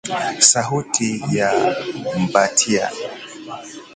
Sauti ya Mbatiah